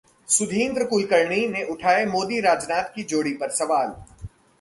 सुधींद्र कुलकर्णी ने उठाए मोदी-राजनाथ की जोड़ी पर सवाल